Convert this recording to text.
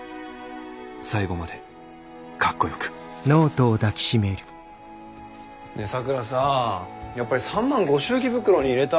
最期までかっこよくねえ咲良さやっぱり３万ご祝儀袋に入れた。